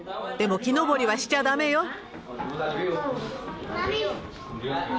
でも木登りはしちゃダメよ。